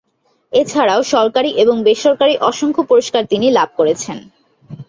এছাড়াও সরকারি এবং বেসরকারী অসংখ্য পুরস্কার তিনি লাভ করেছেন।